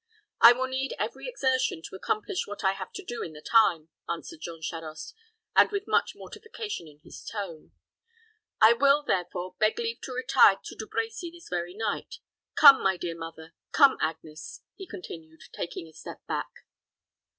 "It will need every exertion to accomplish what I have to do in the time," answered Jean Charost, with much mortification in his tone. "I will, therefore, beg leave to retire to De Brecy this very night. Come, my dear mother come, Agnes," he continued, taking a step back.